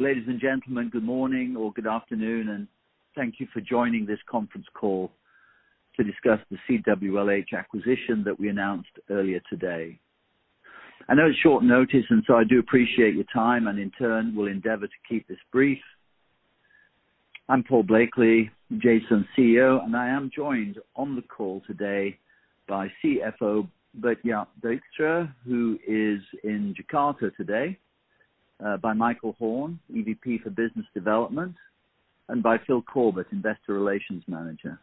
Ladies and gentlemen, good morning or good afternoon, and thank you for joining this conference call to discuss the CWLH acquisition that we announced earlier today. I know it's short notice, and so I do appreciate your time and, in turn, will endeavor to keep this brief. I'm Paul Blakeley, Jadestone CEO, and I am joined on the call today by CFO Bert-Jaap Dijkstra, who is in Jakarta today, by Michael Horn, EVP for Business Development, and by Phil Corbett, Investor Relations Manager.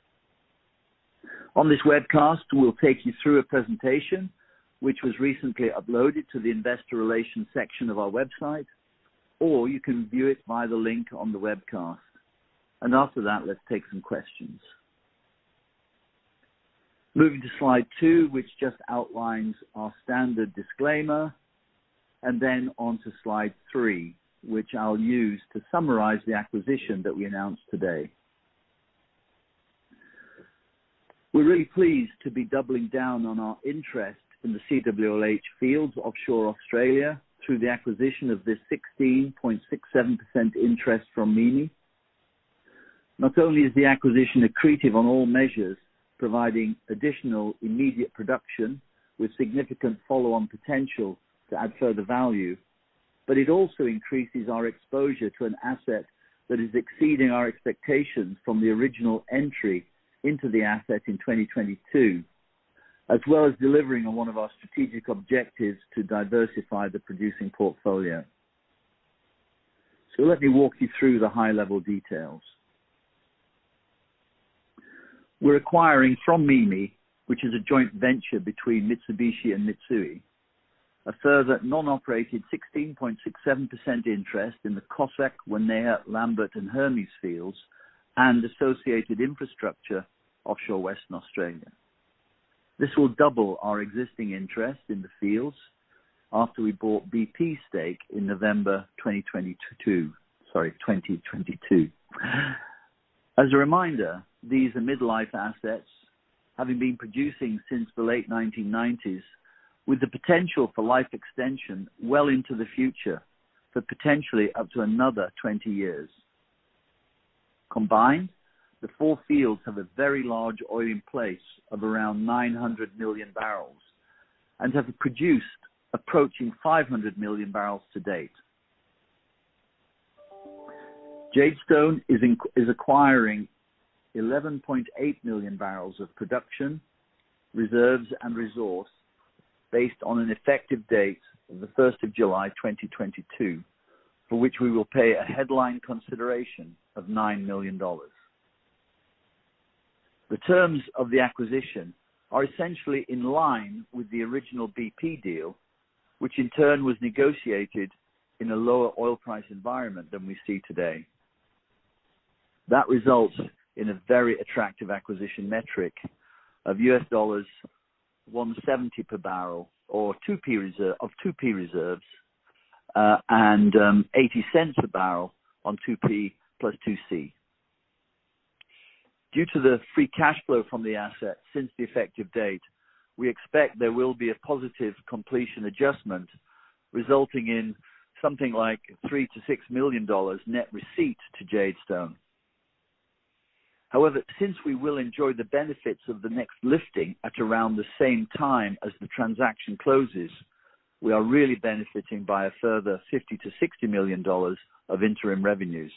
On this webcast, we'll take you through a presentation which was recently uploaded to the investor relations section of our website, or you can view it by the link on the webcast. After that, let's take some questions. Moving to slide two, which just outlines our standard disclaimer, and then on to slide three, which I'll use to summarize the acquisition that we announced today. We're really pleased to be doubling down on our interest in the CWLH fields offshore Australia through the acquisition of this 16.67% interest from MIMI. Not only is the acquisition accretive on all measures, providing additional immediate production with significant follow-on potential to add further value, but it also increases our exposure to an asset that is exceeding our expectations from the original entry into the asset in 2022, as well as delivering on one of our strategic objectives to diversify the producing portfolio. So let me walk you through the high-level details. We're acquiring from MIMI, which is a joint venture between Mitsubishi and Mitsui, a further non-operated 16.67% interest in the Cossack, Wanaea, Lambert, and Hermes fields, and associated infrastructure offshore Western Australia. This will double our existing interest in the fields after we bought BP stake in November 2022. Sorry, 2022. As a reminder, these are mid-life assets, having been producing since the late 1990s, with the potential for life extension well into the future, for potentially up to another 20 years. Combined, the four fields have a very large oil in place of around 900 million barrels and have produced approaching 500 million barrels to date. Jadestone is acquiring 11.8 million barrels of production, reserves, and resource based on an effective date of July 1, 2022, for which we will pay a headline consideration of $9 million. The terms of the acquisition are essentially in line with the original BP deal, which in turn was negotiated in a lower oil price environment than we see today. That results in a very attractive acquisition metric of $170 per barrel or 2P reserves, and eighty cents per barrel on 2P plus 2C. Due to the free cash flow from the asset since the effective date, we expect there will be a positive completion adjustment, resulting in something like $3 million-$6 million net receipt to Jadestone. However, since we will enjoy the benefits of the next lifting at around the same time as the transaction closes, we are really benefiting by a further $50 million-$60 million of interim revenues.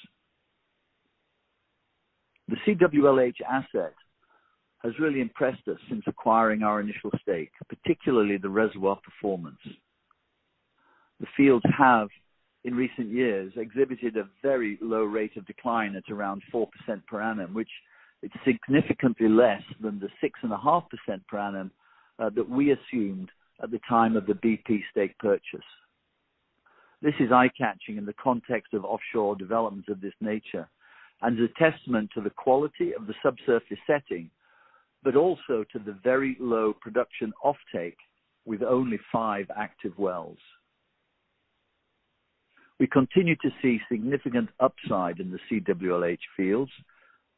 The CWLH asset has really impressed us since acquiring our initial stake, particularly the reservoir performance. The fields have, in recent years, exhibited a very low rate of decline at around 4% per annum, which is significantly less than the 6.5% per annum that we assumed at the time of the BP stake purchase. This is eye-catching in the context of offshore developments of this nature and is a testament to the quality of the subsurface setting, but also to the very low production offtake with only five active wells. We continue to see significant upside in the CWLH fields,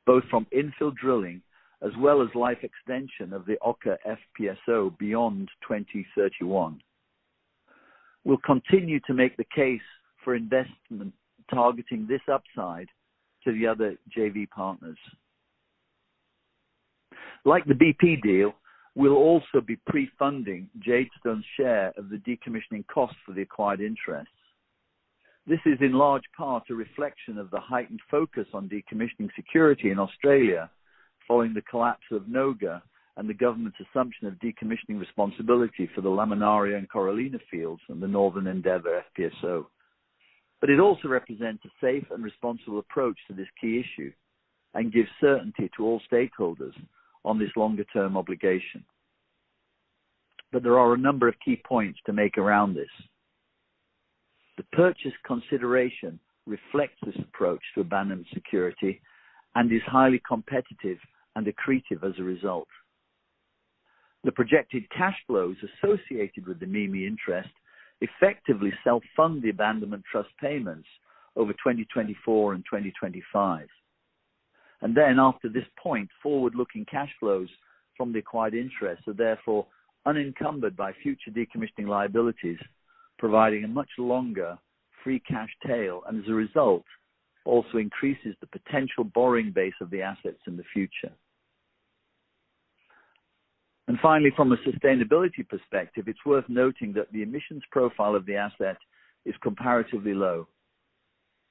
both from infill drilling as well as life extension of the Okha FPSO beyond 2031. We'll continue to make the case for investment targeting this upside to the other JV partners. Like the BP deal, we'll also be pre-funding Jadestone's share of the decommissioning costs for the acquired interests. This is, in large part, a reflection of the heightened focus on decommissioning security in Australia following the collapse of NOGA and the government's assumption of decommissioning responsibility for the Laminaria and Corallina fields and the Northern Endeavour FPSO. But it also represents a safe and responsible approach to this key issue and gives certainty to all stakeholders on this longer term obligation. But there are a number of key points to make around this. The purchase consideration reflects this approach to abandonment security and is highly competitive and accretive as a result. The projected cash flows associated with the Mimi interest effectively self-fund the abandonment trust payments over 2024 and 2025.... And then after this point, forward-looking cash flows from the acquired interest are therefore unencumbered by future decommissioning liabilities, providing a much longer free cash tail, and as a result, also increases the potential borrowing base of the assets in the future. And finally, from a sustainability perspective, it's worth noting that the emissions profile of the asset is comparatively low,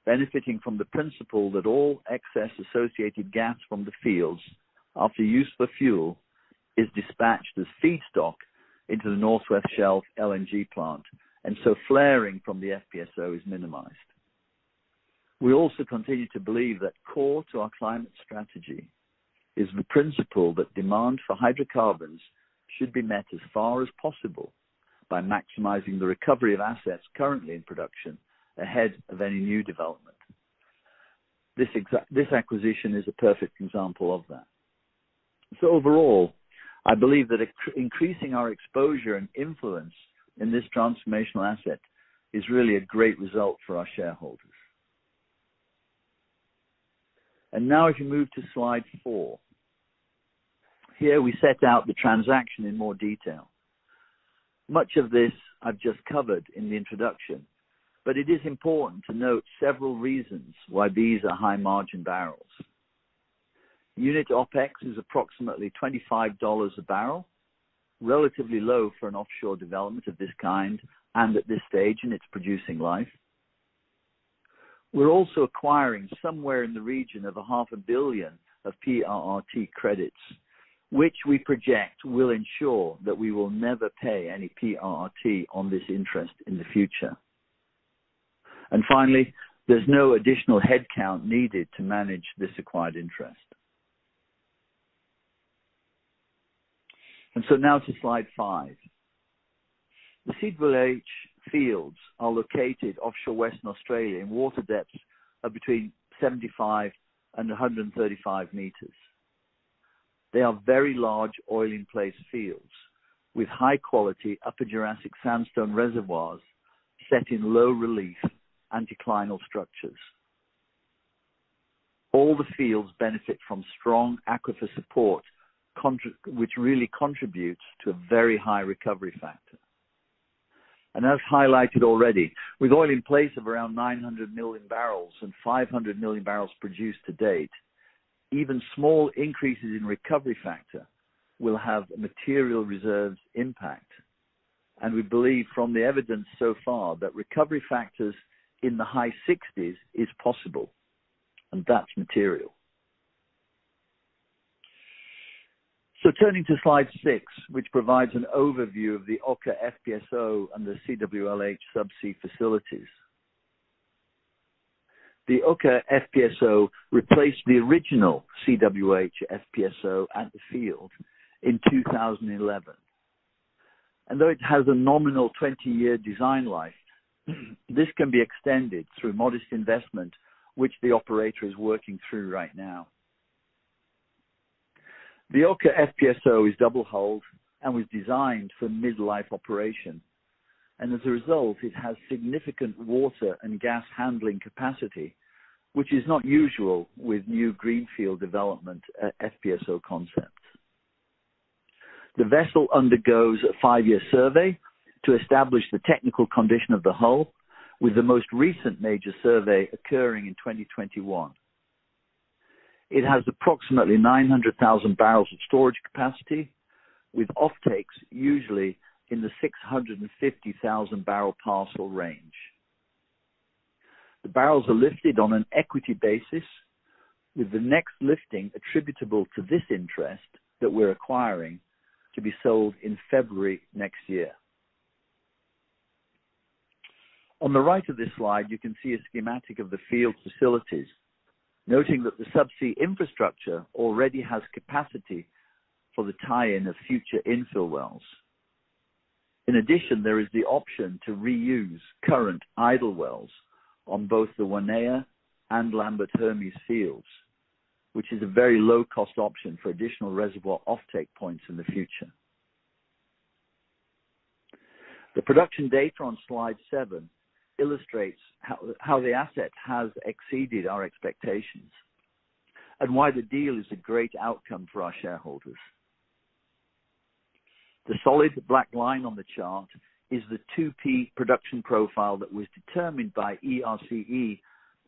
benefiting from the principle that all excess associated gas from the fields, after use for fuel, is dispatched as feedstock into the North West Shelf LNG plant, and so flaring from the FPSO is minimized. We also continue to believe that core to our climate strategy is the principle that demand for hydrocarbons should be met as far as possible by maximizing the recovery of assets currently in production ahead of any new development. This acquisition is a perfect example of that. So overall, I believe that increasing our exposure and influence in this transformational asset is really a great result for our shareholders. Now, as you move to slide four. Here, we set out the transaction in more detail. Much of this I've just covered in the introduction, but it is important to note several reasons why these are high-margin barrels. Unit OpEx is approximately $25 a barrel, relatively low for an offshore development of this kind, and at this stage in its producing life. We're also acquiring somewhere in the region of $500 million of PRRT credits, which we project will ensure that we will never pay any PRRT on this interest in the future. And finally, there's no additional headcount needed to manage this acquired interest. So now to slide five. The CWLH fields are located offshore Western Australia, in water depths of between 75-135 meters. They are very large oil-in-place fields with high-quality Upper Jurassic sandstone reservoirs set in low relief anticlinal structures. All the fields benefit from strong aquifer support, which really contributes to a very high recovery factor. As highlighted already, with oil in place of around 900 million barrels and 500 million barrels produced to date, even small increases in recovery factor will have a material reserves impact. We believe, from the evidence so far, that recovery factors in the high 60s is possible, and that's material. Turning to slide 6, which provides an overview of the Okha FPSO and the CWLH subsea facilities. The Okha FPSO replaced the original CWH FPSO at the field in 2011. And though it has a nominal 20-year design life, this can be extended through modest investment, which the operator is working through right now. The FPSO Okha is double-hulled and was designed for mid-life operation, and as a result, it has significant water and gas handling capacity, which is not usual with new greenfield development FPSO concepts. The vessel undergoes a 5-year survey to establish the technical condition of the hull, with the most recent major survey occurring in 2021. It has approximately 900,000 barrels of storage capacity, with offtakes usually in the 650,000-barrel parcel range. The barrels are lifted on an equity basis, with the next lifting attributable to this interest that we're acquiring to be sold in February next year. On the right of this slide, you can see a schematic of the field facilities, noting that the subsea infrastructure already has capacity for the tie-in of future infill wells. In addition, there is the option to reuse current idle wells on both the Wanaea and Lambert Hermes fields, which is a very low-cost option for additional reservoir offtake points in the future. The production data on slide 7 illustrates how the asset has exceeded our expectations and why the deal is a great outcome for our shareholders. The solid black line on the chart is the 2P production profile that was determined by ERCE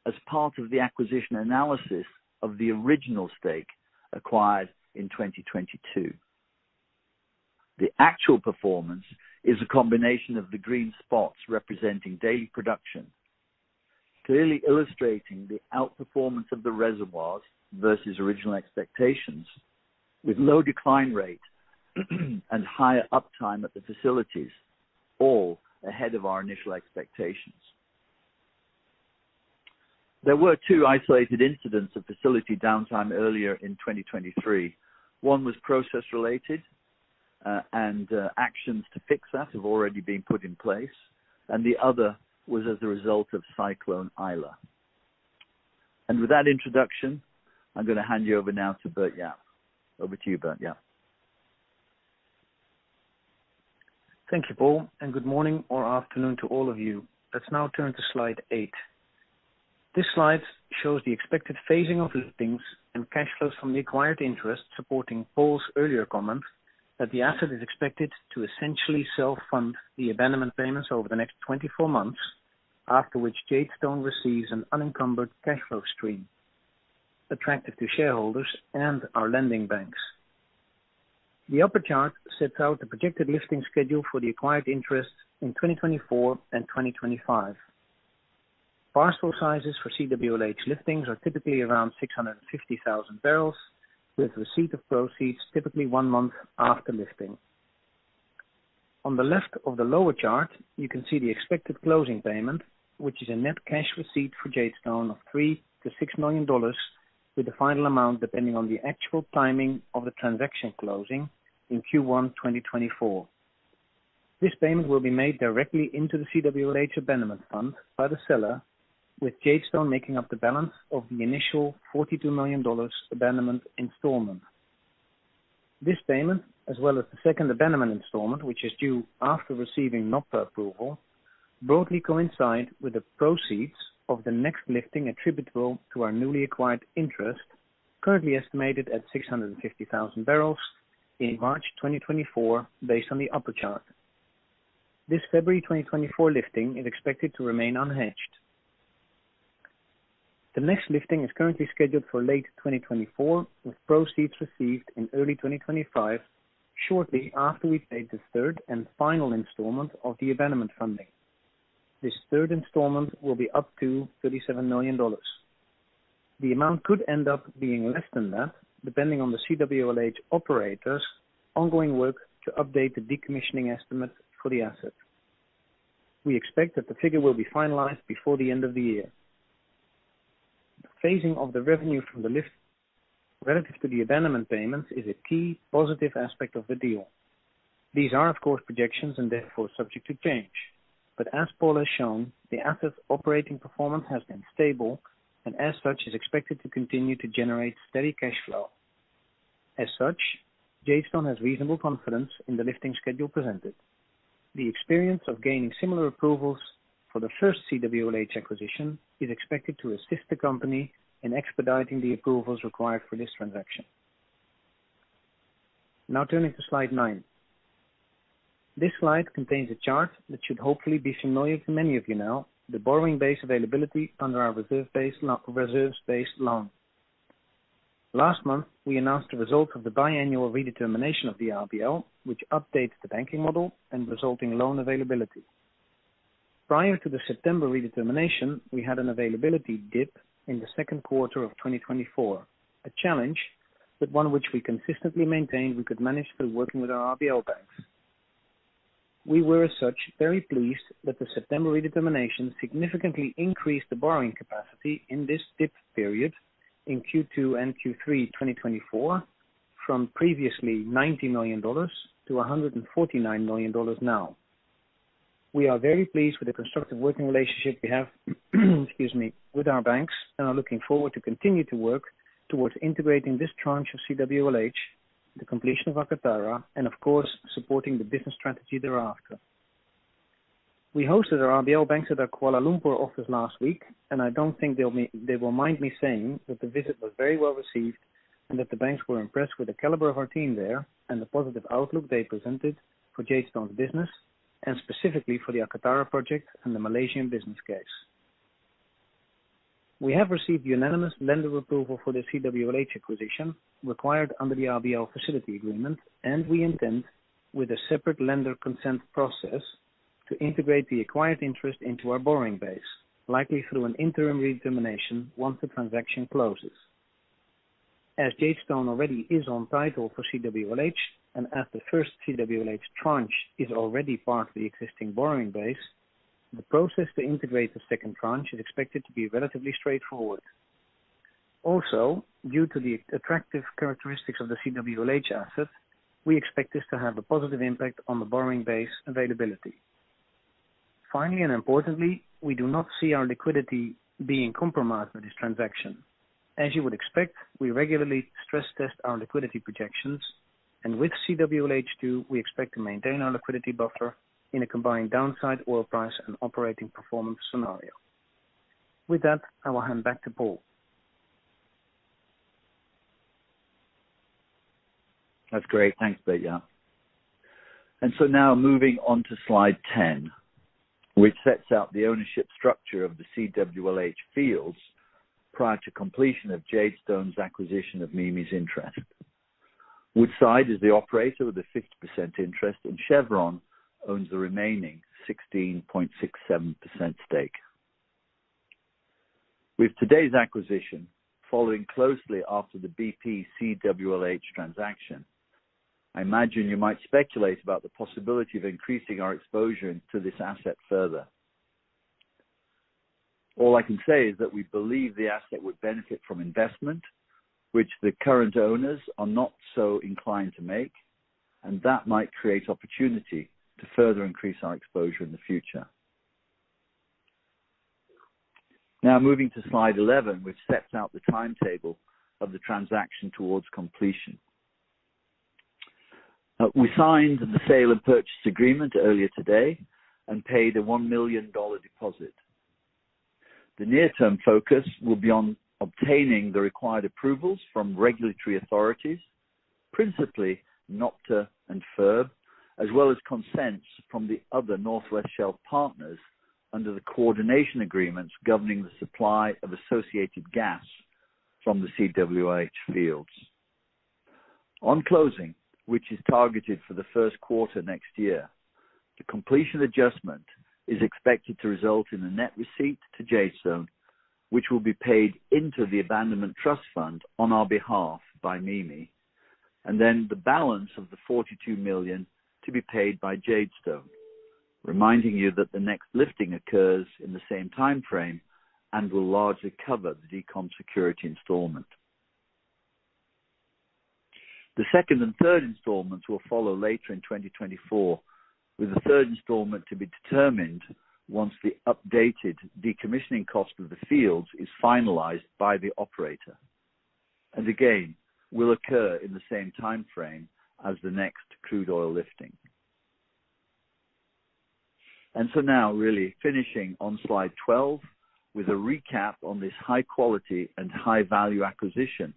as part of the acquisition analysis of the original stake acquired in 2022. The actual performance is a combination of the green spots representing daily production, clearly illustrating the outperformance of the reservoirs versus original expectations, with low decline rate and higher uptime at the facilities, all ahead of our initial expectations. There were two isolated incidents of facility downtime earlier in 2023. One was process-related, and actions to fix that have already been put in place, and the other was as a result of Cyclone Ilsa. And with that introduction, I'm gonna hand you over now to Bert-Jaap. Over to you, Bert-Jaap.... Thank you, Paul, and good morning or afternoon to all of you. Let's now turn to slide 8. This slide shows the expected phasing of liftings and cash flows from the acquired interest, supporting Paul's earlier comments, that the asset is expected to essentially self-fund the abandonment payments over the next 24 months, after which Jadestone receives an unencumbered cash flow stream, attractive to shareholders and our lending banks. The upper chart sets out the projected lifting schedule for the acquired interest in 2024 and 2025. Parcel sizes for CWLH liftings are typically around 650,000 barrels, with receipt of proceeds typically 1 month after lifting. On the left of the lower chart, you can see the expected closing payment, which is a net cash receipt for Jadestone of $3 million-$6 million, with the final amount depending on the actual timing of the transaction closing in Q1 2024. This payment will be made directly into the CWLH abandonment fund by the seller, with Jadestone making up the balance of the initial $42 million abandonment installment. This payment, as well as the second abandonment installment, which is due after receiving NOPTA approval, broadly coincide with the proceeds of the next lifting attributable to our newly acquired interest, currently estimated at 650,000 barrels in March 2024, based on the upper chart. This February 2024 lifting is expected to remain unhedged. The next lifting is currently scheduled for late 2024, with proceeds received in early 2025, shortly after we've made the third and final installment of the abandonment funding. This third installment will be up to $37 million. The amount could end up being less than that, depending on the CWLH operators' ongoing work to update the decommissioning estimate for the asset. We expect that the figure will be finalized before the end of the year. The phasing of the revenue from the lift, relative to the abandonment payments, is a key positive aspect of the deal. These are, of course, projections and therefore subject to change. But as Paul has shown, the asset's operating performance has been stable and as such, is expected to continue to generate steady cash flow. As such, Jadestone has reasonable confidence in the lifting schedule presented. The experience of gaining similar approvals for the first CWLH acquisition is expected to assist the company in expediting the approvals required for this transaction. Now turning to slide 9. This slide contains a chart that should hopefully be familiar to many of you now, the borrowing base availability under our reserves-based loan. Last month, we announced the result of the biannual redetermination of the RBL, which updates the banking model and resulting loan availability. Prior to the September redetermination, we had an availability dip in the second quarter of 2024, a challenge, but one which we consistently maintained we could manage through working with our RBL banks. We were, as such, very pleased that the September redetermination significantly increased the borrowing capacity in this dip period in Q2 and Q3, 2024, from previously $90 million to $149 million now. We are very pleased with the constructive working relationship we have, excuse me, with our banks, and are looking forward to continue to work towards integrating this tranche of CWLH, the completion of Akatara, and of course, supporting the business strategy thereafter. We hosted our RBL banks at our Kuala Lumpur office last week, and I don't think they will mind me saying that the visit was very well received, and that the banks were impressed with the caliber of our team there and the positive outlook they presented for Jadestone's business, and specifically for the Akatara project and the Malaysian business case. We have received unanimous lender approval for the CWLH acquisition required under the RBL facility agreement, and we intend, with a separate lender consent process, to integrate the acquired interest into our borrowing base, likely through an interim redetermination once the transaction closes. As Jadestone already is on title for CWLH, and as the first CWLH tranche is already part of the existing borrowing base, the process to integrate the second tranche is expected to be relatively straightforward. Also, due to the attractive characteristics of the CWLH asset, we expect this to have a positive impact on the borrowing base availability. Finally, and importantly, we do not see our liquidity being compromised by this transaction. As you would expect, we regularly stress test our liquidity projections, and with CWLH too, we expect to maintain our liquidity buffer in a combined downside oil price and operating performance scenario. With that, I will hand back to Paul. That's great. Thanks, Bert-Jaap. And so now moving on to slide 10, which sets out the ownership structure of the CWLH fields prior to completion of Jadestone's acquisition of Mimi's interest. Woodside is the operator with a 60% interest, and Chevron owns the remaining 16.67% stake. With today's acquisition, following closely after the BP CWLH transaction, I imagine you might speculate about the possibility of increasing our exposure to this asset further. All I can say is that we believe the asset would benefit from investment, which the current owners are not so inclined to make, and that might create opportunity to further increase our exposure in the future. Now moving to slide 11, which sets out the timetable of the transaction towards completion. We signed the sale and purchase agreement earlier today and paid a $1 million deposit. The near-term focus will be on obtaining the required approvals from regulatory authorities, principally NOPTA and FIRB, as well as consents from the other North West Shelf partners under the coordination agreements governing the supply of associated gas from the CWLH fields. On closing, which is targeted for the first quarter next year, the completion adjustment is expected to result in a net receipt to Jadestone, which will be paid into the abandonment trust fund on our behalf by MIMI, and then the balance of the $42 million to be paid by Jadestone. Reminding you that the next lifting occurs in the same timeframe and will largely cover the decom security installment. The second and third installments will follow later in 2024, with the third installment to be determined once the updated decommissioning cost of the fields is finalized by the operator, and again, will occur in the same timeframe as the next crude oil lifting. So now really finishing on slide 12 with a recap on this high quality and high value acquisition,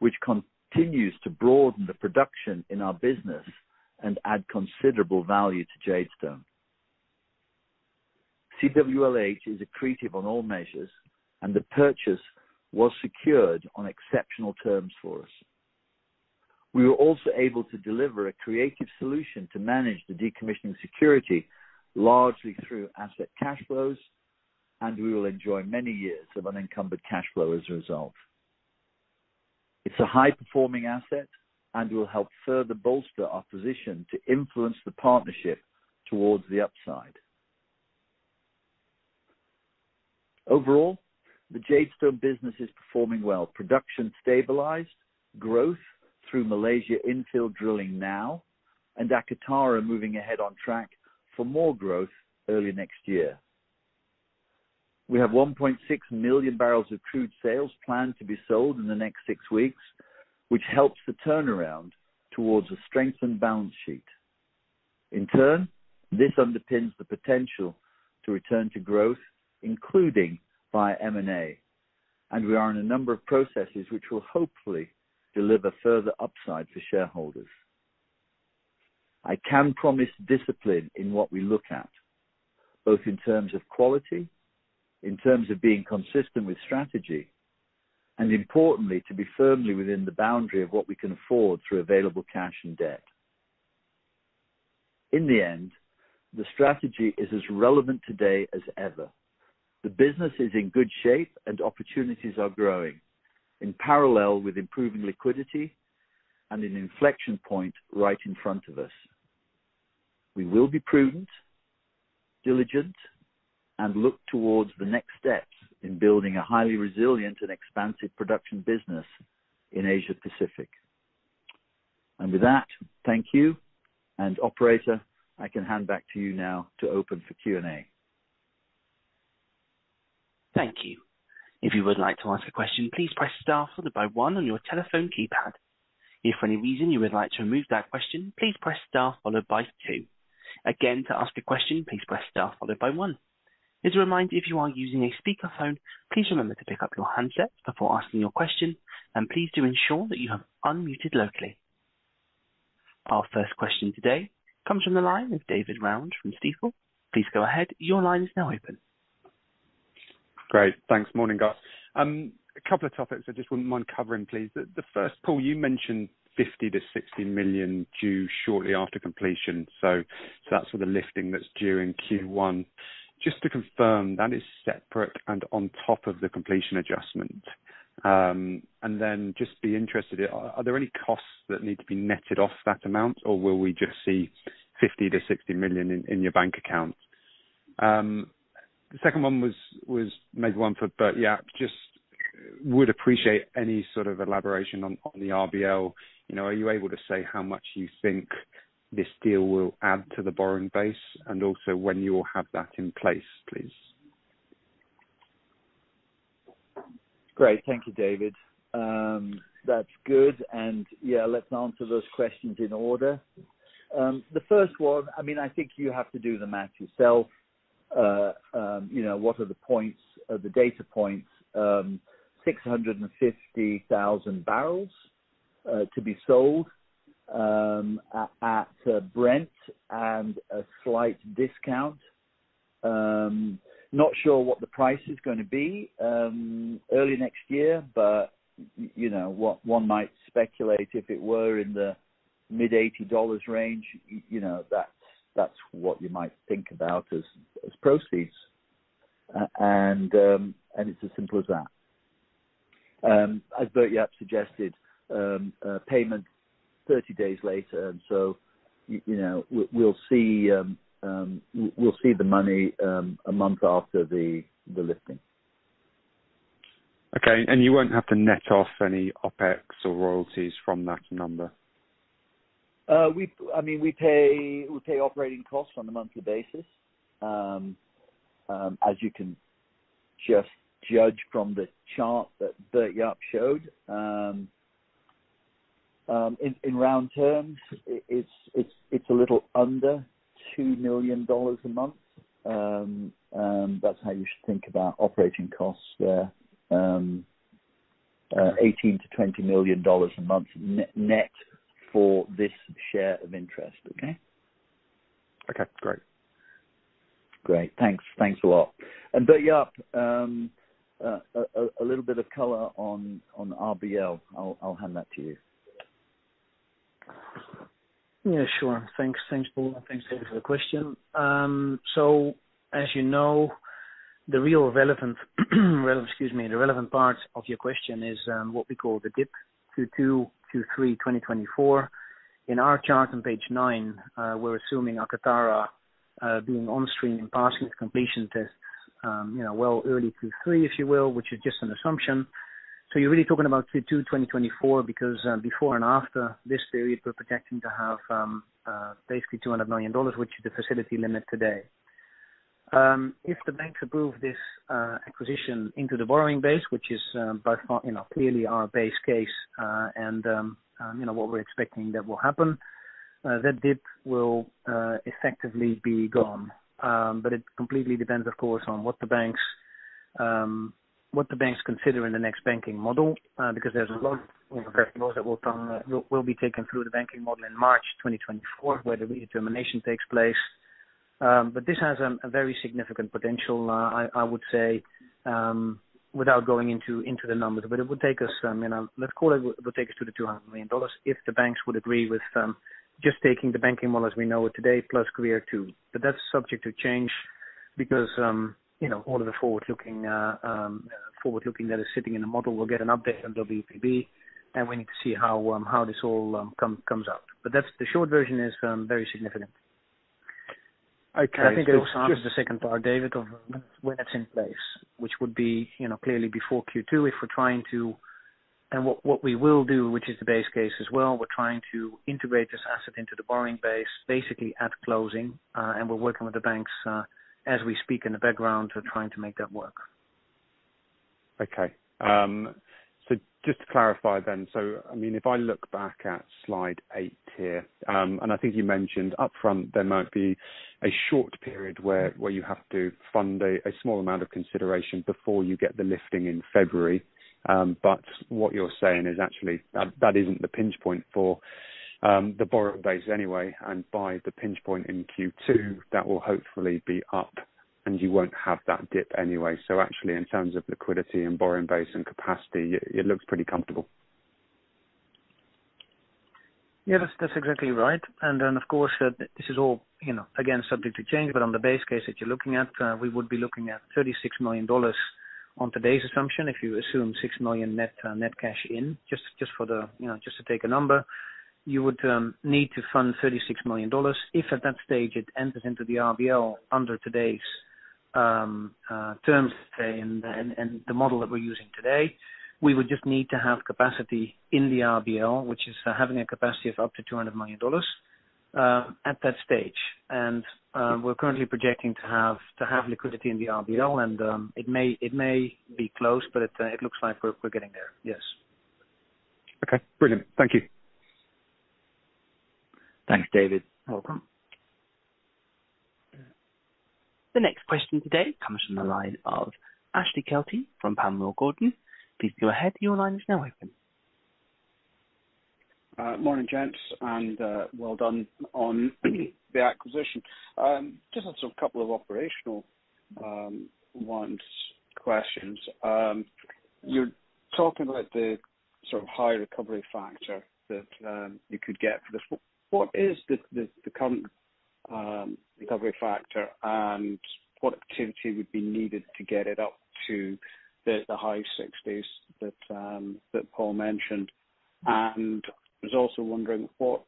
which continues to broaden the production in our business and add considerable value to Jadestone. CWLH is accretive on all measures, and the purchase was secured on exceptional terms for us. We were also able to deliver a creative solution to manage the decommissioning security, largely through asset cash flows, and we will enjoy many years of unencumbered cash flow as a result. It's a high-performing asset and will help further bolster our position to influence the partnership towards the upside. Overall, the Jadestone business is performing well. Production stabilized, growth through Malaysia infill drilling now, and Akatara moving ahead on track for more growth early next year. We have 1.6 million barrels of crude sales planned to be sold in the next six weeks, which helps the turnaround towards a strengthened balance sheet. In turn, this underpins the potential to return to growth, including via M&A, and we are in a number of processes which will hopefully deliver further upside to shareholders. I can promise discipline in what we look at, both in terms of quality, in terms of being consistent with strategy, and importantly, to be firmly within the boundary of what we can afford through available cash and debt. In the end, the strategy is as relevant today as ever. The business is in good shape, and opportunities are growing in parallel with improving liquidity and an inflection point right in front of us. We will be prudent, diligent, and look towards the next steps in building a highly resilient and expansive production business in Asia Pacific. And with that, thank you, and operator, I can hand back to you now to open for Q&A. Thank you. If you would like to ask a question, please press star followed by one on your telephone keypad. If for any reason you would like to remove that question, please press star followed by two. Again, to ask a question, please press star followed by one. As a reminder, if you are using a speakerphone, please remember to pick up your handset before asking your question, and please do ensure that you have unmuted locally. Our first question today comes from the line of David Round from Stifel. Please go ahead. Your line is now open. Great, thanks. Morning, guys. A couple of topics I just wouldn't mind covering, please. The first, Paul, you mentioned $50 million-$60 million due shortly after completion, so that's for the lifting that's due in Q1. Just to confirm, that is separate and on top of the completion adjustment? And then just be interested, are there any costs that need to be netted off that amount, or will we just see $50 million-$60 million in your bank account? The second one was maybe one for Bert-Jaap. Just would appreciate any sort of elaboration on the RBL. You know, are you able to say how much you think this deal will add to the borrowing base, and also when you will have that in place, please? Great. Thank you, David. That's good, and yeah, let's answer those questions in order. The first one, I mean, I think you have to do the math yourself. You know, what are the points, the data points? 650,000 barrels to be sold at Brent and a slight discount. Not sure what the price is gonna be early next year, but you know, what one might speculate, if it were in the mid-$80 range, you know, that's what you might think about as proceeds. And it's as simple as that. As Bert-Jaap suggested, a payment 30 days later, and so you know, we'll see the money a month after the listing. Okay, and you won't have to net off any OpEx or royalties from that number? ... We, I mean, we pay, we pay operating costs on a monthly basis. As you can just judge from the chart that Bert-Jaap showed, in round terms, it's a little under $2 million a month. And that's how you should think about operating costs there. $18 million-$20 million a month net for this share of interest. Okay? Okay, great. Great. Thanks. Thanks a lot. And Bert-Jaap, a little bit of color on RBL. I'll hand that to you. Yeah, sure. Thanks. Thanks, Paul, and thanks, David, for the question. So as you know, the relevant part of your question is what we call the dip, 2022/2023, 2024. In our chart on page 9, we're assuming Akatara being onstream and passing its completion test, you know, well, early 2023, if you will, which is just an assumption. So you're really talking about 2022 2024, because before and after this period, we're projecting to have basically $200 million, which is the facility limit today. If the banks approve this acquisition into the borrowing base, which is by far, you know, clearly our base case, and you know, what we're expecting that will happen, that dip will effectively be gone. But it completely depends, of course, on what the banks consider in the next banking model, because there's a lot of variables that will come, will be taken through the banking model in March 2024, where the redetermination takes place. But this has a very significant potential, I would say, without going into the numbers. But it would take us, you know, let's call it, it would take us to the $200 million if the banks would agree with just taking the banking model as we know it today, plus Q2. But that's subject to change because, you know, all of the forward-looking that is sitting in the model will get an update on WPB, and we need to see how this all comes out. But that's the short version is very significant. Okay, so just- I think to answer the second part, David, of when it's in place, which would be, you know, clearly before Q2, if we're trying to... And what we will do, which is the base case as well, we're trying to integrate this asset into the borrowing base, basically at closing, and we're working with the banks, as we speak, in the background, we're trying to make that work. Okay. So just to clarify then, so I mean, if I look back at slide eight here, and I think you mentioned upfront, there might be a short period where you have to fund a small amount of consideration before you get the lifting in February. But what you're saying is actually that that isn't the pinch point for the borrowing base anyway, and by the pinch point in Q2, that will hopefully be up, and you won't have that dip anyway. So actually, in terms of liquidity and borrowing base and capacity, it looks pretty comfortable. Yeah, that's, that's exactly right. And then, of course, this is all, you know, again, subject to change, but on the base case that you're looking at, we would be looking at $36 million on today's assumption. If you assume $6 million net, net cash in, just, just for the, you know, just to take a number, you would need to fund $36 million. If at that stage, it enters into the RBL under today's terms, say, and the, and, and the model that we're using today, we would just need to have capacity in the RBL, which is having a capacity of up to $200 million, at that stage. We're currently projecting to have liquidity in the RBL, and it may be close, but it looks like we're getting there. Yes. Okay, brilliant. Thank you. Thanks, David. Welcome. The next question today comes from the line of Ashley Kelty from Panmure Gordon. Please go ahead. Your line is now open. Morning, gents, and well done on the acquisition. Just a couple of operational ones, questions. You're talking about the sort of high recovery factor that you could get for the... What is the current recovery factor? And what activity would be needed to get it up to the high 60s that Paul mentioned? And I was also wondering what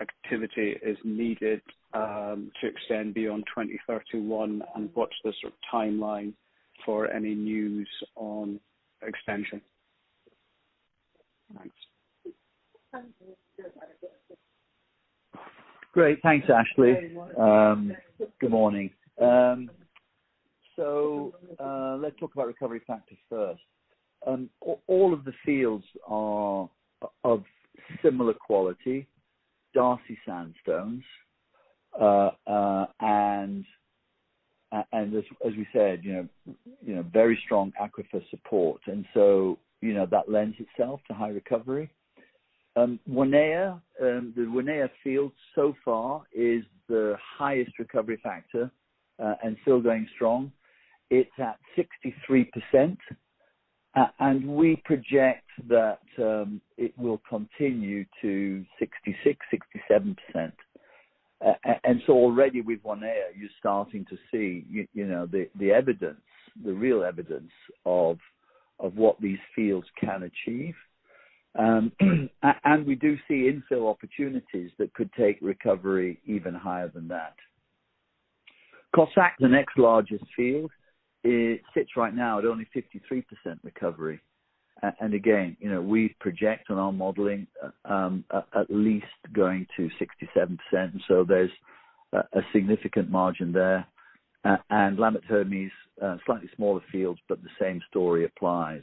activity is needed to extend beyond 2031, and what's the sort of timeline for any news on extension? Thanks. Great. Thanks, Ashley. Good morning. So, let's talk about recovery factors first. All of the fields are of similar quality, Darcy sandstones, and as we said, you know, very strong aquifer support. And so, you know, that lends itself to high recovery. Wanaea, the Wanaea field so far is the highest recovery factor, and still going strong. It's at 63%, and we project that it will continue to 66%-67%. And so already with Wanaea, you're starting to see you know, the evidence, the real evidence of what these fields can achieve. And we do see infill opportunities that could take recovery even higher than that. Cossack, the next largest field, it sits right now at only 53% recovery. And again, you know, we project on our modeling, at least going to 67%, so there's a significant margin there. And Lambert is slightly smaller fields, but the same story applies.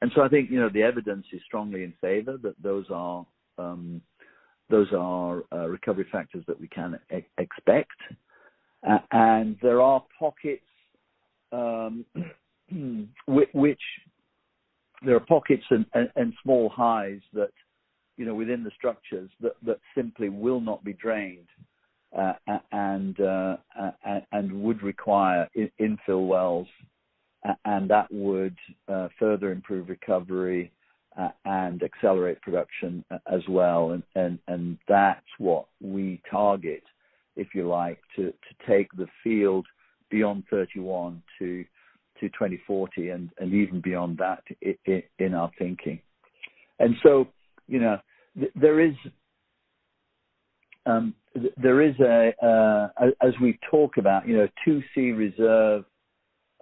And so I think, you know, the evidence is strongly in favor that those are recovery factors that we can expect. And there are pockets, which there are pockets and small highs that, you know, within the structures that simply will not be drained, and would require infill wells, and that would further improve recovery and accelerate production as well. And that's what we target, if you like, to take the field beyond 2031 to 2040 and even beyond that, in our thinking. And so, you know, there is, there is a, as we talk about, you know, 2C reserves,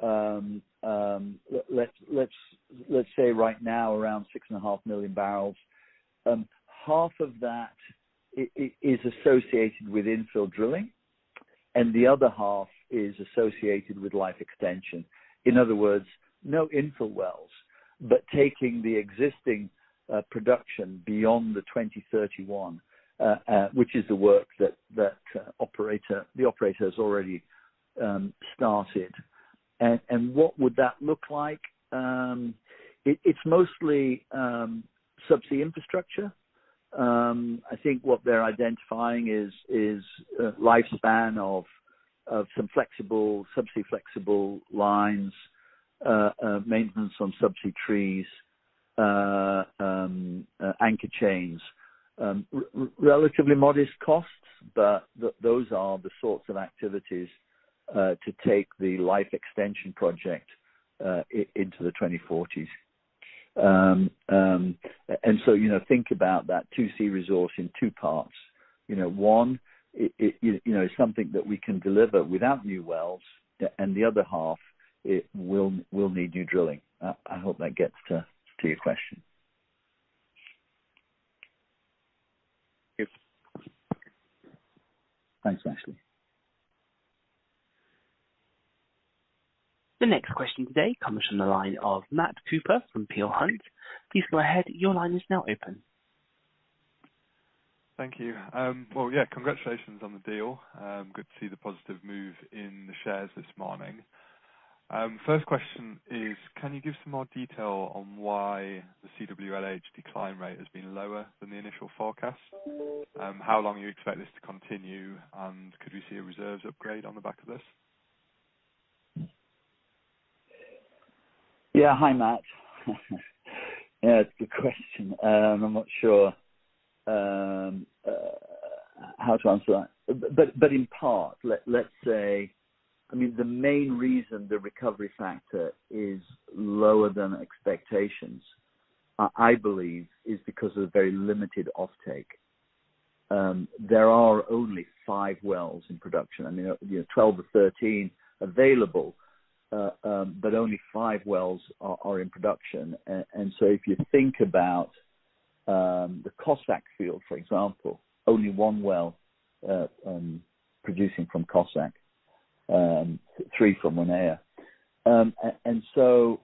let's say right now, around 6.5 million barrels, half of that is associated with infill drilling, and the other half is associated with life extension. In other words, no infill wells, but taking the existing production beyond 2031, which is the work that the operator has already started. And what would that look like? It's mostly subsea infrastructure. I think what they're identifying is a lifespan of some flexible subsea flexible lines, maintenance on subsea trees, anchor chains. Relatively modest costs, but those are the sorts of activities to take the life extension project into the 2040s. And so, you know, think about that 2C resource in two parts. You know, one, it, you know, something that we can deliver without new wells, and the other half, it will need new drilling. I hope that gets to your question. Yes. Thanks, Ashley. The next question today comes from the line of Matt Cooper from Peel Hunt. Please go ahead. Your line is now open. Thank you. Well, yeah, congratulations on the deal. Good to see the positive move in the shares this morning. First question is, can you give some more detail on why the CWLH decline rate has been lower than the initial forecast? How long you expect this to continue, and could we see a reserves upgrade on the back of this? Yeah. Hi, Matt. Yeah, it's a good question. I'm not sure how to answer that. But in part, let's say, I mean, the main reason the recovery factor is lower than expectations, I believe, is because of the very limited offtake. There are only five wells in production, I mean, you know, 12 or 13 available, but only five wells are in production. And so if you think about the Cossack field, for example, only one well producing from Cossack, three from Wanaea. And so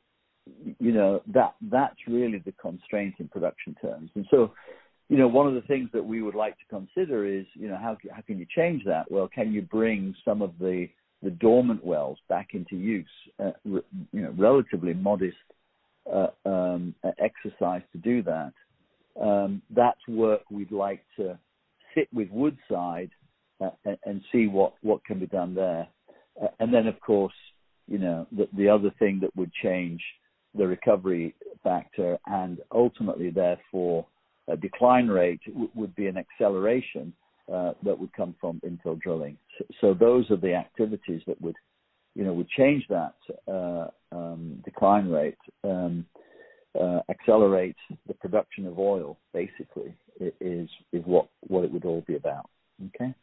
you know, that's really the constraint in production terms. And so, you know, one of the things that we would like to consider is, you know, how can you change that? Well, can you bring some of the dormant wells back into use? You know, relatively modest exercise to do that. That's work we'd like to sit with Woodside and see what can be done there. And then, of course, you know, the other thing that would change the recovery factor, and ultimately therefore, a decline rate, would be an acceleration that would come from infill drilling. So those are the activities that would, you know, would change that decline rate, accelerate the production of oil, basically, is what it would all be about. Okay?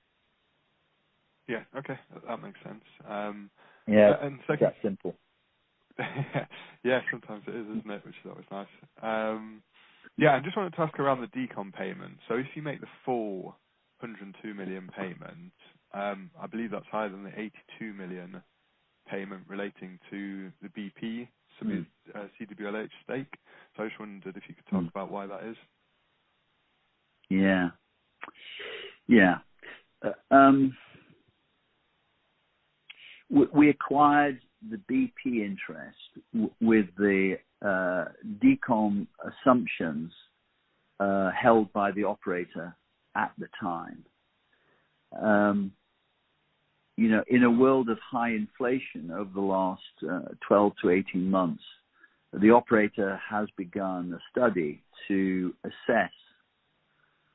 Yeah. Okay. That makes sense. Yeah. And second- It's that simple. Yeah, sometimes it is, isn't it? Which is always nice. Yeah, I just want to talk around the decon payment. So if you make the full $102 million payment, I believe that's higher than the $82 million payment relating to the BP- Mm. CWLH stake. So I just wondered if you could talk about why that is? Yeah. Yeah. We acquired the BP interest with the decon assumptions held by the operator at the time. You know, in a world of high inflation over the last 12-18 months, the operator has begun a study to assess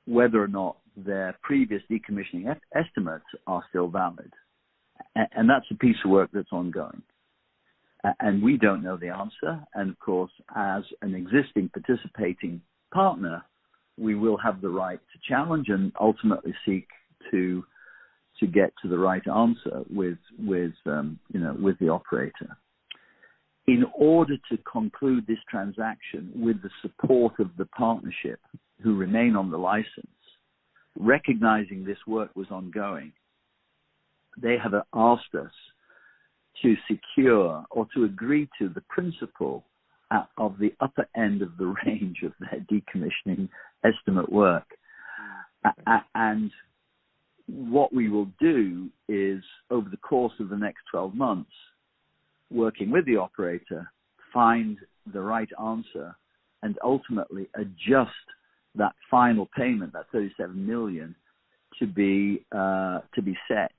whether or not their previous decommissioning estimates are still valid. That's a piece of work that's ongoing... We don't know the answer, and of course, as an existing participating partner, we will have the right to challenge and ultimately seek to get to the right answer with you know, with the operator. In order to conclude this transaction with the support of the partnership, who remain on the license, recognizing this work was ongoing, they have asked us to secure or to agree to the principle of the upper end of the range of their decommissioning estimate work. And what we will do is, over the course of the next 12 months, working with the operator, find the right answer and ultimately adjust that final payment, that $37 million, to be set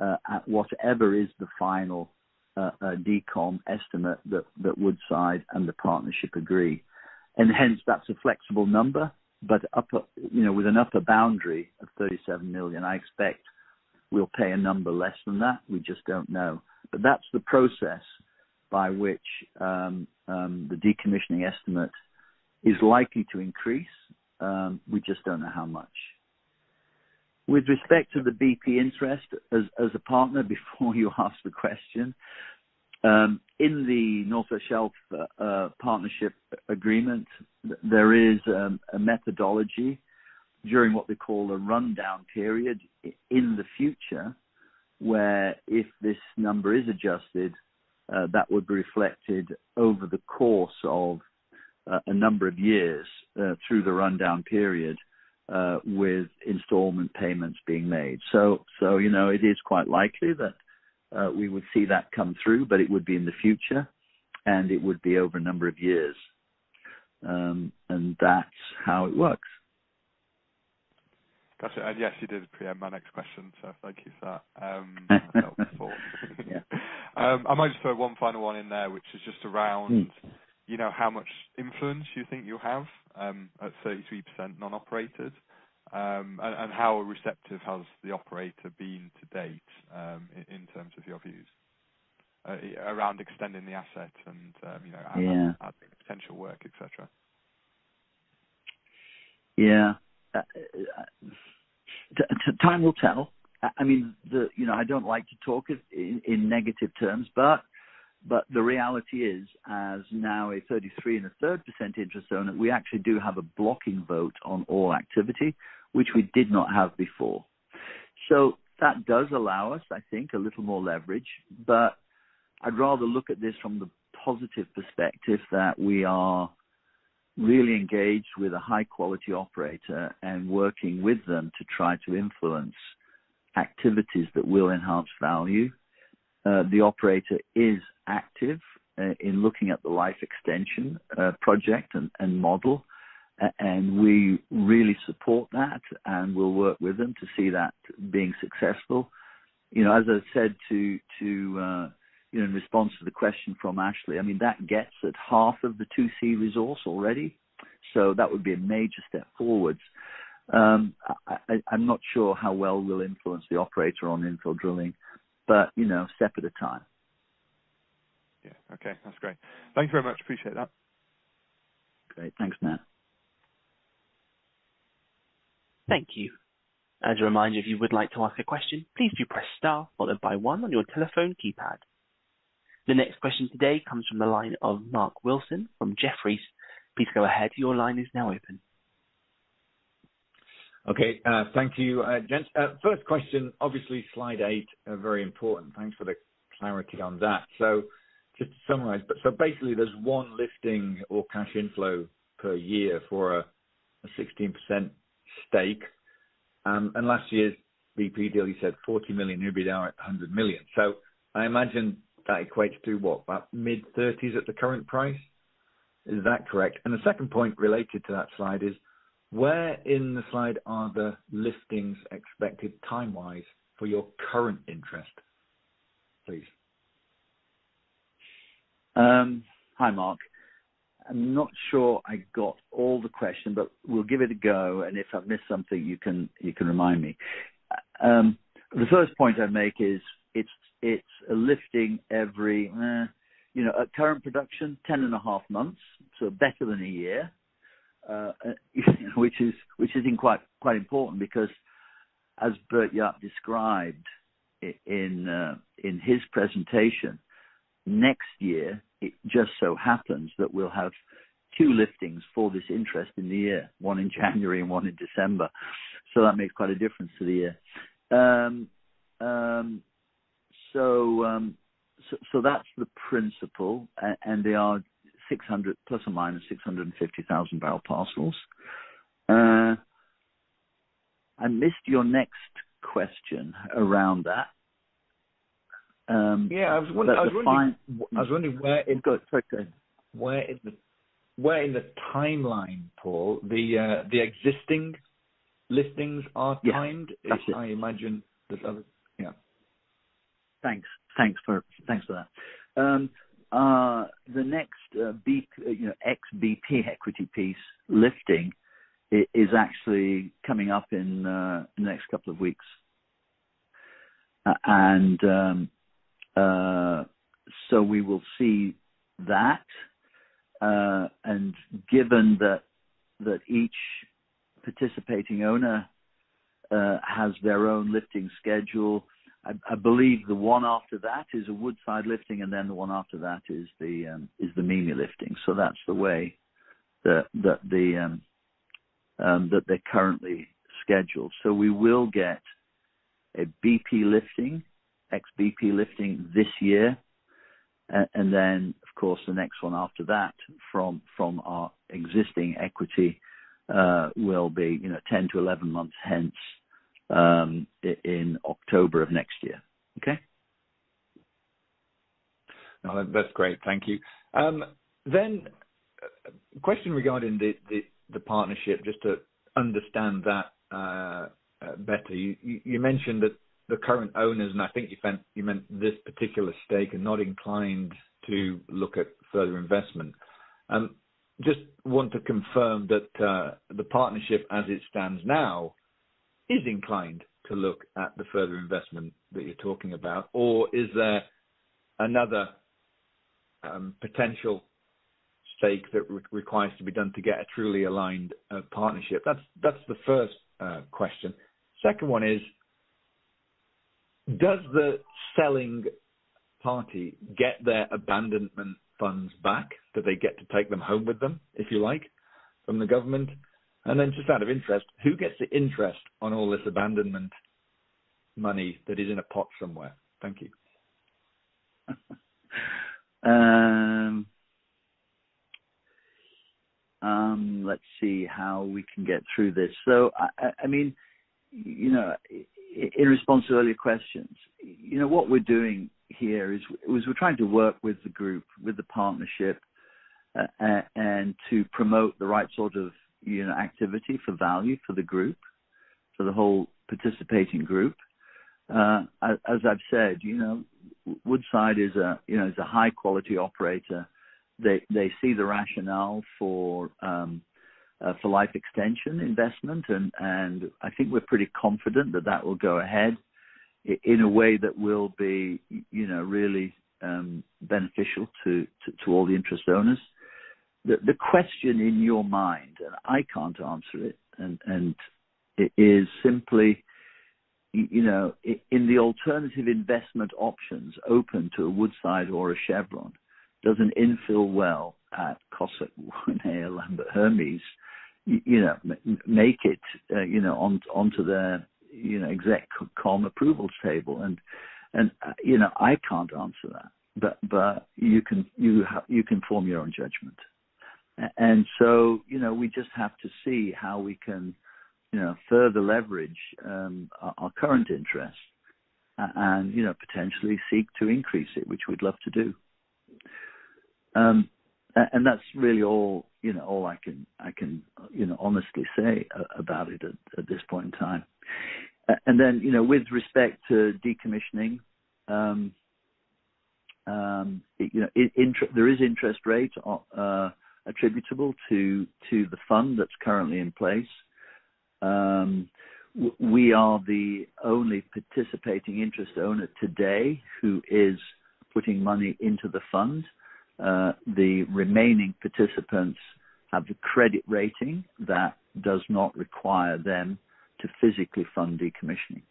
at whatever is the final decom estimate that Woodside and the partnership agree. And hence, that's a flexible number, but upper... You know, with an upper boundary of $37 million, I expect we'll pay a number less than that. We just don't know. But that's the process by which the decommissioning estimate is likely to increase. We just don't know how much. With respect to the BP interest, as a partner, before you ask the question, in the North West Shelf partnership agreement, there is a methodology during what they call a rundown period in the future, where if this number is adjusted, that would be reflected over the course of a number of years through the rundown period with installment payments being made. So, you know, it is quite likely that we would see that come through, but it would be in the future, and it would be over a number of years. And that's how it works. Gotcha. And yes, you did preempt my next question, so thank you for that. I might just throw one final one in there, which is just around- Mm. -you know, how much influence you think you have at 33% non-operated? And how receptive has the operator been to date in terms of your views around extending the asset and, you know- Yeah. and potential work, et cetera? Yeah. Time will tell. I mean, you know, I don't like to talk in negative terms, but the reality is, as now a 33 1/3% interest owner, we actually do have a blocking vote on all activity, which we did not have before. So that does allow us, I think, a little more leverage, but I'd rather look at this from the positive perspective that we are really engaged with a high quality operator and working with them to try to influence activities that will enhance value. The operator is active in looking at the life extension project and model, and we really support that, and we'll work with them to see that being successful. You know, as I said, you know, in response to the question from Ashley, I mean, that gets at half of the 2C resource already, so that would be a major step forward. I'm not sure how well we'll influence the operator on infill drilling, but, you know, a step at a time. Yeah. Okay. That's great. Thank you very much. Appreciate that. Great. Thanks, Matt. Thank you. As a reminder, if you would like to ask a question, please do press star followed by one on your telephone keypad. The next question today comes from the line of Mark Wilson from Jefferies. Please go ahead. Your line is now open. Okay, thank you, gents. First question, obviously, slide 8, very important. Thanks for the clarity on that. So just to summarize, but so basically there's 1 lifting or cash inflow per year for a 16% stake. And last year's BP deal, you said $40 million net, we bid down at a $100 million. So I imagine that equates to what? About mid-30s at the current price? Is that correct? And the second point related to that slide is, where in the slide are the liftings expected time-wise for your current interest, please? Hi, Mark. I'm not sure I got all the question, but we'll give it a go, and if I've missed something, you can remind me. The first point I'd make is, it's a lifting every, you know, at current production, 10.5 months, so better than a year. Which is quite important, because as Bert-Jaap described in his presentation, next year, it just so happens that we'll have two liftings for this interest in the year, one in January and one in December. So that makes quite a difference to the year. So that's the principle, and they are 600,000-650,000 barrel parcels. I missed your next question around that. Yeah, I was wonder- The fine- I was wondering where- Go. Sorry, go ahead. Where in the timeline, Paul, the existing listings are timed? Yeah. Gotcha. I imagine that other... Yeah. Thanks. Thanks for, thanks for that. The next BP, you know, ex-BP equity piece lifting is actually coming up in the next couple of weeks. And so we will see that. And given that each participating owner has their own lifting schedule, I believe the one after that is a Woodside lifting, and then the one after that is the Mimi lifting. So that's the way that they're currently scheduled. So we will get a BP lifting, ex-BP lifting this year. And then, of course, the next one after that, from our existing equity, will be, you know, 10-11 months hence, in October of next year. Okay? No, that's great. Thank you. Then, question regarding the partnership, just to understand that better. You mentioned that the current owners, and I think you meant this particular stake, are not inclined to look at further investment. Just want to confirm that the partnership, as it stands now, is inclined to look at the further investment that you're talking about, or is there another potential stake that requires to be done to get a truly aligned partnership? That's the first question. Second one is, does the selling party get their abandonment funds back? Do they get to take them home with them, if you like, from the government? And then just out of interest, who gets the interest on all this abandonment money that is in a pot somewhere? Thank you. Let's see how we can get through this. So I mean, you know, in response to earlier questions, you know, what we're doing here is we're trying to work with the group, with the partnership, and to promote the right sort of, you know, activity for value for the group, for the whole participating group. As I've said, you know, Woodside is, you know, a high quality operator. They see the rationale for life extension investment, and I think we're pretty confident that that will go ahead in a way that will be, you know, really beneficial to all the interest owners. The question in your mind, and I can't answer it, and it is simply, you know, in the alternative investment options open to a Woodside or a Chevron, does an infill well at Cossack and Hermes, you know, make it, you know, on, onto their, you know, exec comm approvals table? And, you know, I can't answer that, but you can... You have, you can form your own judgment. And so, you know, we just have to see how we can, you know, further leverage our current interest and, you know, potentially seek to increase it, which we'd love to do. And that's really all, you know, all I can, I can, you know, honestly say about it at this point in time. And then, you know, with respect to decommissioning, there are interest rates attributable to the fund that's currently in place. We are the only participating interest owner today who is putting money into the fund. The remaining participants have a credit rating that does not require them to physically fund decommissioning.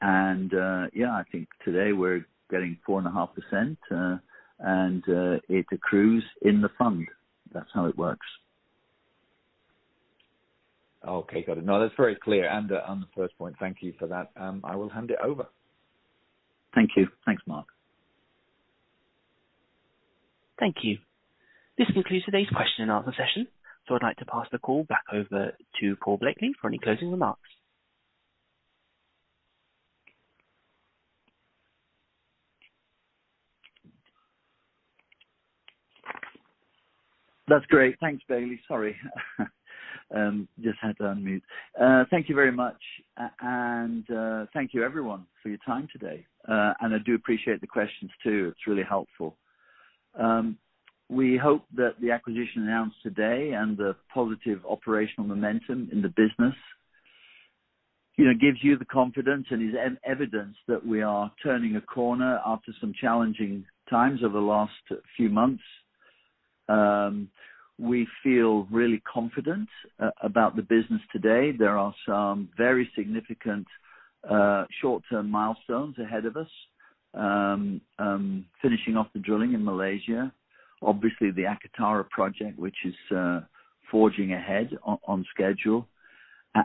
And, yeah, I think today we're getting 4.5%, and it accrues in the fund. That's how it works. Okay, got it. No, that's very clear. And on the first point, thank you for that. I will hand it over. Thank you. Thanks, Mark. Thank you. This concludes today's question and answer session, so I'd like to pass the call back over to Paul Blakeley for any closing remarks. That's great. Thanks, Bailey. Sorry. Just had to unmute. Thank you very much, and thank you everyone for your time today. And I do appreciate the questions, too. It's really helpful. We hope that the acquisition announced today and the positive operational momentum in the business, you know, gives you the confidence and is evidence that we are turning a corner after some challenging times over the last few months. We feel really confident about the business today. There are some very significant short-term milestones ahead of us. Finishing off the drilling in Malaysia. Obviously, the Akatara project, which is forging ahead on schedule.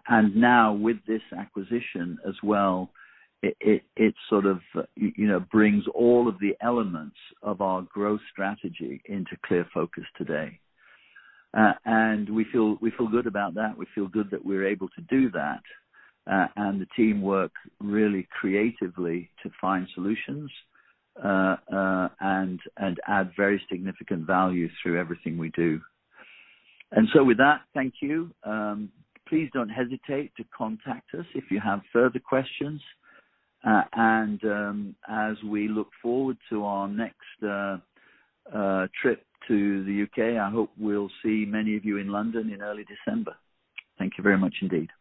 And now with this acquisition as well, it sort of, you know, brings all of the elements of our growth strategy into clear focus today. And we feel good about that. We feel good that we're able to do that, and the team work really creatively to find solutions, and add very significant value through everything we do. And so with that, thank you. Please don't hesitate to contact us if you have further questions. As we look forward to our next trip to the U.K., I hope we'll see many of you in London in early December. Thank you very much indeed.